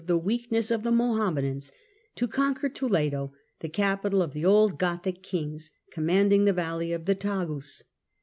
the weakness of the Mohammedans to conquer Toledo, the capital of the old Gothic kings, commanding the valley of the Tagus.